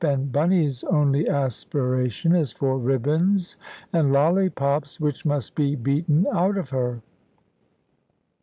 And Bunny's only aspiration is for ribbons and lollipops, which must be beaten out of her.